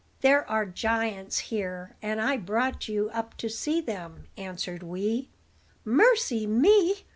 "There are giants here; and I brought you up to see them," answered Wee. "Mercy, me!